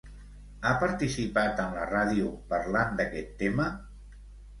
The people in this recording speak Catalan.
Ha participat en la ràdio parlant d'aquest tema?